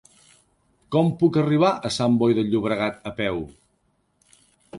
Com puc arribar a Sant Boi de Llobregat a peu?